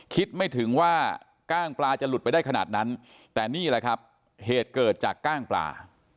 คิดไม่ถึงว่ากล้างปลาจะหลุดไปได้ขนาดนั้นแต่นี่แหละครับเหตุเกิดจากกล้างปลา